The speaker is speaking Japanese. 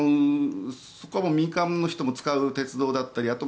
そこは民間の人も使う鉄道だったり